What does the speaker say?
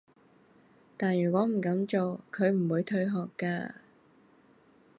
但如果唔噉做，佢唔會退學㗎